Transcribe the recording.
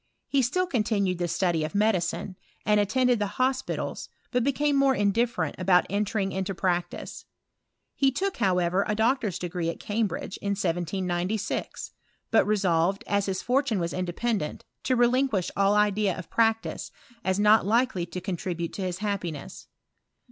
He still continued the study of medicine, and attended the hospitals, but became more indifferent about entering into prac tice. He took, however, a doctor's degree at Cam bridge in 1796; but resolved, as his fortune was independent, to relinquish all idea of practice, as not likely to contribute to his happiness.